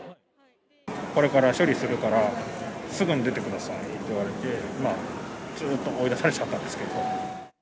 これから処理するから、すぐに出てくださいって言われて、まあ、追い出されちゃったんですけど。